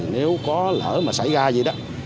nếu có lỡ mà xảy ra gì đó